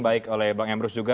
baik oleh bang emrus juga